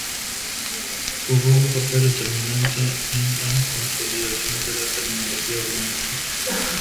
Jugó un papel determinante en la consolidación de la terminología orgánica.